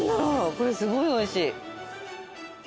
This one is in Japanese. これすごいおいしい。